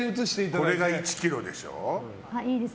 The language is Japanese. これが１ｋｇでしょ。